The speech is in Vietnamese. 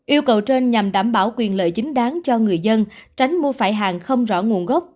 yêu cầu trên nhằm đảm bảo quyền lợi chính đáng cho người dân tránh mua phải hàng không rõ nguồn gốc